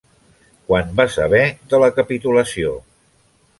Quan va saber de la capitulació.